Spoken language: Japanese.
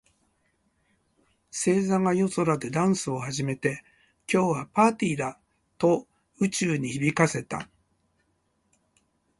星座が夜空でダンスを始めて、「今夜はパーティーだ！」と宇宙に響かせた。